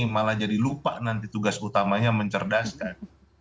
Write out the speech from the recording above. malah jadi lupa nanti tugas utamanya mencerdaskan